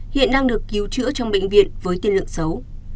hiện đang được cứu chữa trong bệnh viện với tiên lượng xấu